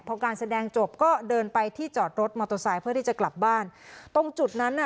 พอการแสดงจบก็เดินไปที่จอดรถมอเตอร์ไซค์เพื่อที่จะกลับบ้านตรงจุดนั้นน่ะ